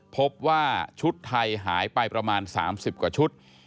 พบว่าชุดไทยหายไปประมาณ๓๐กว่าชุด